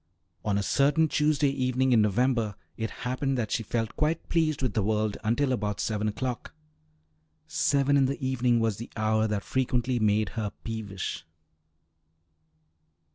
On a certain Tuesday evening in November it happened that she felt quite pleased with the world until about seven o'clock. Seven in the evening was the hour that frequently made her peevish.